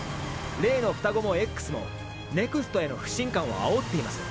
例の双子も“Ｘ”もＮＥＸＴへの不信感を煽っています。